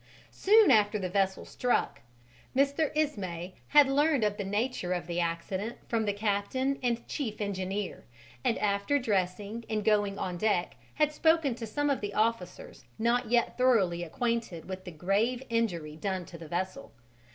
Soon after the vessel struck, Mr. Ismay had learnt of the nature of the accident from the captain and chief engineer, and after dressing and going on deck had spoken to some of the officers not yet thoroughly acquainted with the grave injury done to the vessel.